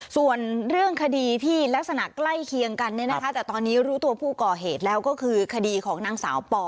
ส่วนเรื่องคดีที่ลักษณะใกล้เคียงกันแต่ตอนนี้รู้ตัวผู้ก่อเหตุแล้วก็คือคดีของนางสาวปอ